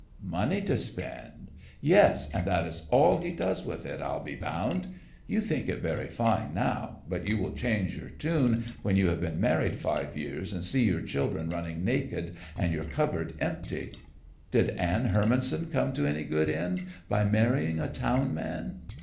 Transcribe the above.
"Money to spend? Yes, and that is all he does with it I'll be bound. You think it very fine now, but you will change your tune when you have been married five years and see your children running naked and your cupboard empty. Did Anne Hermanson come to any good end by marrying a town man?"